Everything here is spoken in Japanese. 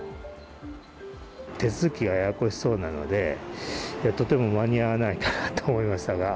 手続きがややこしそうなので、とても間に合わないかなと思いましたが。